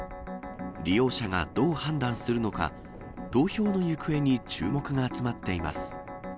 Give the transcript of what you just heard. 利用者がどう判断するのか、投票の行方に注目が集まっています。